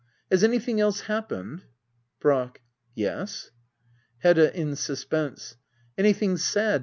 '\ Has anything else happened ? Brack. Yes. Hedda. [In suspense,"] Anything sad.